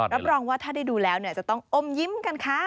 รับรองว่าถ้าได้ดูแล้วจะต้องอมยิ้มกันค่ะ